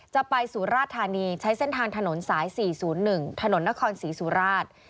จะไปสุราธานีใช้เส้นทางถนนสาย๔๐๑ถนนนครศรีสุราช